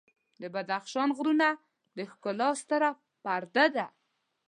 د بدخشان غرونه د ښکلا ستره پرده ده.